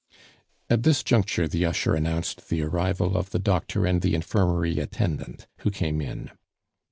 At this juncture the usher announced the arrival of the doctor and the infirmary attendant, who came in.